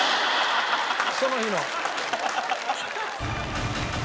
その日の。